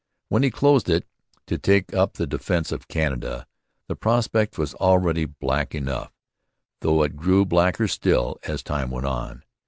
When he closed it, to take up the defence of Canada, the prospect was already black enough, though it grew blacker still as time went on.